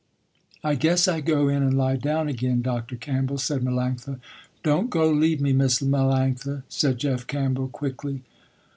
"I guess I go in and lie down again Dr. Campbell," said Melanctha. "Don't go leave me Miss Melanctha," said Jeff Campbell quickly.